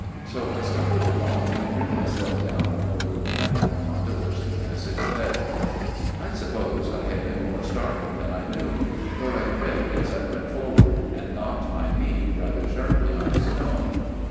So I stumbled along, and threw myself down on the little platform on to which the passage led. 272 A MIRROR OF SHALOTT " I suppose I had been more startled than I knew ; for I tripped as I went forward ; and knocked my knee rather sharply on a stone.